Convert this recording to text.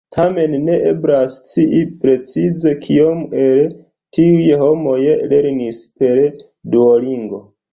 Tamen, ne eblas scii precize kiom el tiuj homoj lernis per Duolingo.